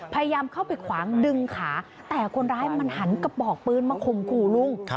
พยายามเข้าไปขวางดึงขาแต่คนร้ายมันหันกระบอกปืนมาข่มขู่ลุง